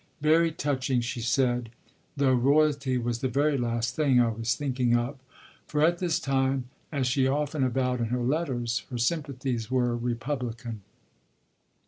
"Very touching," she said; "though royalty was the very last thing I was thinking of"; for at this time, as she often avowed in her letters, her sympathies were Republican.